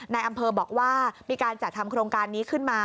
ในอำเภอบอกว่ามีการจัดทำโครงการนี้ขึ้นมา